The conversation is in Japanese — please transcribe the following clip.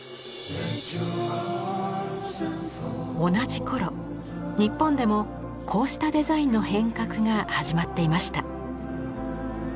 同じ頃日本でもこうしたデザインの変革が始まっていました。